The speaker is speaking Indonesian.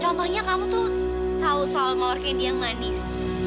ya contohnya kamu tuh tahu soal mawar candy yang manis